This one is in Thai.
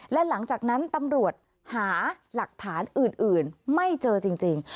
และหลังจากนั้นตำรวจหาหลักฐานอื่นไม่เจอจริง